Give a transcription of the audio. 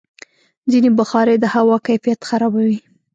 ځینې بخارۍ د هوا کیفیت خرابوي.